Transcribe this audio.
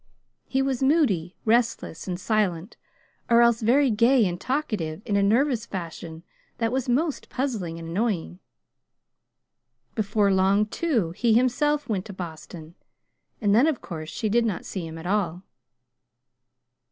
He was moody, restless, and silent, or else very gay and talkative in a nervous fashion that was most puzzling and annoying. Before long, too, he himself went to Boston; and then of course she did not see him at all.